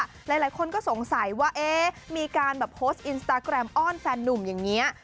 หลายคนก็สงสัยว่าเอ๊ะมีการแบบโพสต์อินสตาแกรมอ้อนแฟนนุ่มอย่างนี้